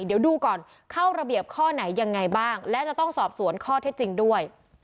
เดี๋ยวดูก่อนเข้าระเบียบข้อไหนยังไงบ้างและจะต้องสอบสวนข้อเท็จจริงด้วย